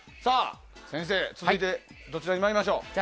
先生、続いてどちらに参りましょう？